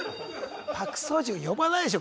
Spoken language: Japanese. パク・ソジュン呼ばないでしょ